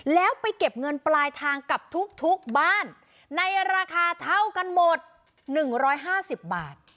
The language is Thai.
แล้วไปเก็บเงินปลายทางกับทุกบ้านในราคาเท่ากันหมด๑๕๐บาท